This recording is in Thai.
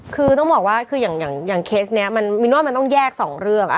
คือต้องบอกว่าคืออย่างเคสนี้มินว่ามันต้องแยก๒เรื่อง